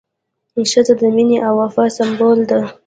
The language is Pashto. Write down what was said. ښځه د مینې او وفا سمبول ده.